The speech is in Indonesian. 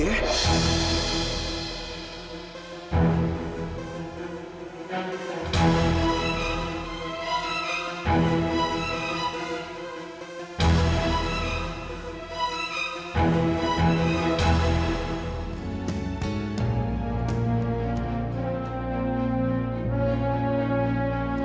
nggak nggak nggak nggak nggak